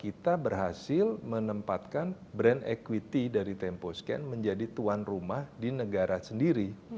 kita berhasil menempatkan brand equity dari tempo scan menjadi tuan rumah di negara sendiri